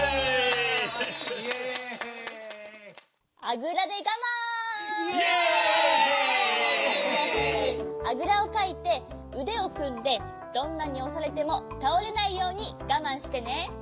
あぐらをかいてうでをくんでどんなにおされてもたおれないようにがまんしてね。